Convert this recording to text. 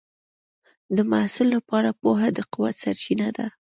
د محصل لپاره پوهه د قوت سرچینه ده.